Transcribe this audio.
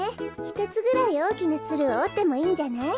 ひとつぐらいおおきなツルをおってもいいんじゃない？